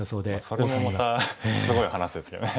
それもまたすごい話ですけどね。